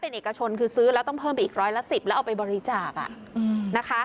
เป็นเอกชนคือซื้อแล้วต้องเพิ่มไปอีกร้อยละ๑๐แล้วเอาไปบริจาคนะคะ